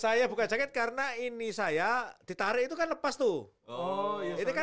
saya buka jaket karena ini saya ditarik itu kan lepas tuh